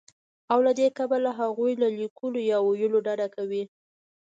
او له دې کبله هغوی له ليکلو يا ويلو ډډه کوي